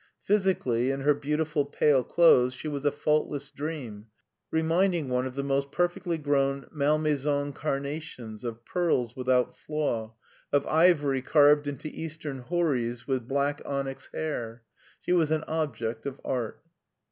Physically, in her beautiful pale clothes, she was a faultless dream, re minding one of the most perfectly grown malmaison carnations, of pearls without flaw, of ivory carved into eastern houris with black onyx hair. She was an object of art.